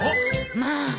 まあ。